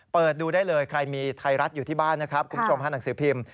เปิดดูได้เลยใครมีไทรรัฐอยู่ที่บ้านกุมชมภาคหนังสือพิมพ์